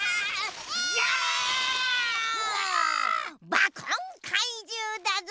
バコンかいじゅうだぞ！